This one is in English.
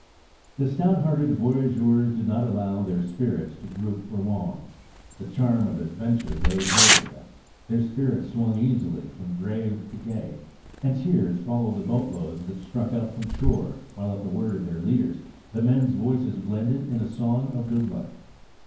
The stout hearted voyageurs did not allow their spirits to droop for long. The charm of adventure laid hold of them, their spirits swung easily from grave to gay, and cheers followed the boatloads that struck out from shore while at the word of their leaders, the men *s voices blended in a song of good luck.